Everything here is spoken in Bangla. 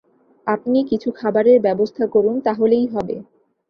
আপনি কিছু খাবারের ব্যবস্থা করুন, তাহলেই হবে।